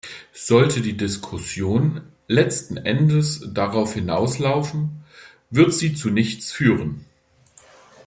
Sollte die Diskussion letzten Endes darauf hinauslaufen, wird sie zu nichts führen.